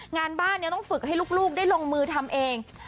งานบ้านนี้ต้องฝึกให้ลูกได้ลงมือทำเอง